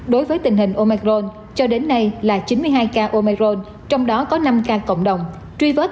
đối với tình hình omicron cho đến nay là chín mươi hai ca omicron trong đó có năm ca cộng đồng truy vớt